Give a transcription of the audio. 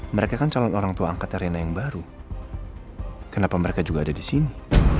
mereka kan calon orang tua angkat arena yang baru kenapa mereka juga ada di sini